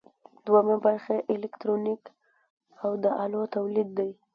دوهم برخه الکترونیک او د الو تولید دی.